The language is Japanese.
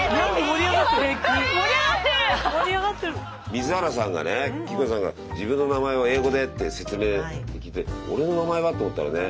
水原さんがね希子さんが自分の名前を英語でって説明聞いて俺の名前はって思ったらね